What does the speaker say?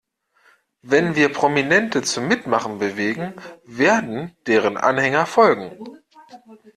Wenn wir Prominente zum Mitmachen bewegen, werden deren Anhänger folgen.